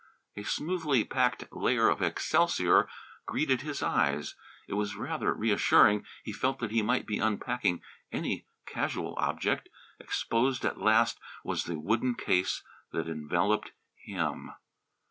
A smoothly packed layer of excelsior greeted his eyes. It was rather reassuring. He felt that he might be unpacking any casual object. Exposed at last was the wooden case that enveloped him!